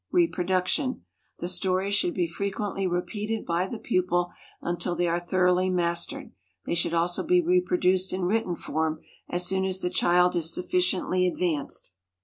Reproduction. The stories should be frequently repeated by the pupil until they are thoroughly mastered. They should also be reproduced in written form as soon as the child is sufficiently advanced.